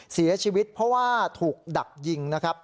เสียชีวิตเพราะว่าถูกดักยิงนะครับ